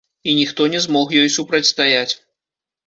І ніхто не змог ёй супрацьстаяць.